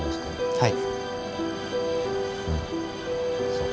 はい。